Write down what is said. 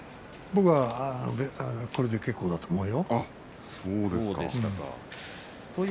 僕はこれで結構だと思うよ。